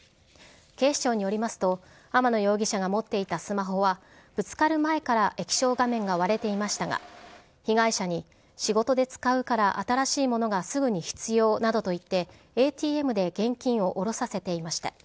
警視庁によりますと、天野容疑者が持っていたスマホは、ぶつかる前から液晶画面が割れていましたが、被害者に、仕事で使うから新しいものがすぐに必要などと言って、ＡＴＭで現金を下ろさせていました。